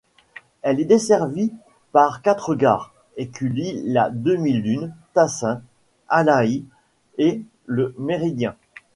Elle est desservie par quatre gares, Écully-la-Demi-Lune, Tassin, Alaï et le Méridien.